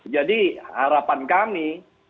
jadi harapan kami